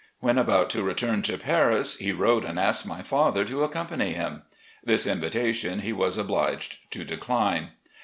When about to return to Paris he wrote and asked my father to accompany him. This invitation he was obliged to decline.